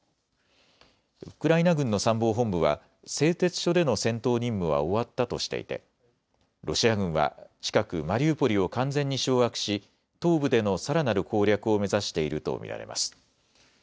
ウクライナ軍の参謀本部は製鉄所での戦闘任務は終わったとしていてロシア軍は近くマリウポリを完全に掌握し東部でのさらなる攻略を目指していると見られます。